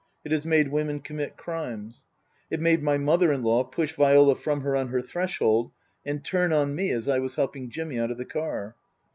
It has made women commit crimes. It made my mother in law push Viola from her on her threshold and turn on me as I was helping Jimmy out of the car.